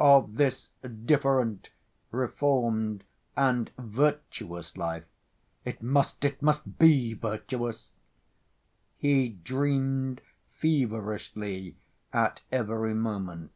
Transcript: Of this different, reformed and "virtuous" life ("it must, it must be virtuous") he dreamed feverishly at every moment.